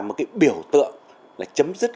một cái biểu tượng là chấm dứt